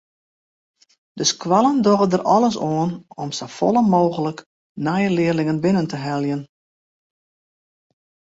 De skoallen dogge der alles oan om safolle mooglik nije learlingen binnen te heljen.